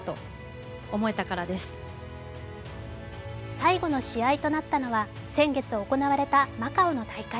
最後の試合となったのは先月行われたマカオの大会。